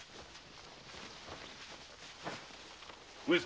上様。